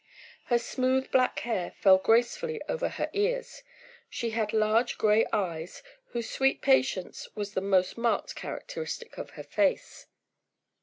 Her smooth black hair fell gracefully over her ears; she had large gray eyes, whose sweet patience was the most marked characteristic of her face.